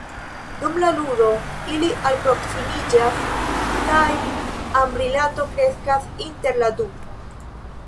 Dum la ludo, ili alproksimiĝas kaj amrilato kreskas inter la du.